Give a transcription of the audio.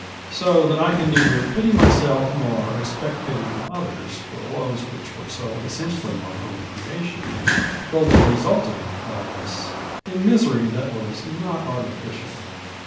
So that I can neither pity myself nor expect pity from others for woes which were so essentiaDy my own crea tion, though they resulted, alas 1 in misery that was not artificial.